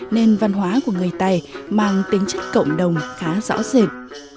nền văn hóa của người tày mang tính chất cộng đồng khá rõ rệt